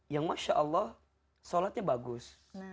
yang masya allah sholatnya bagus